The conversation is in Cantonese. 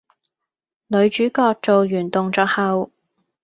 女主角做完動作後